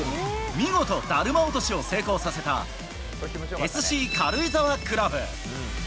見事、だるま落としを成功させたＳＣ軽井沢クラブ。